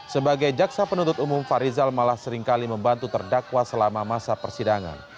sebagai jaksa penuntut umum farizal malah seringkali membantu terdakwa selama masa persidangan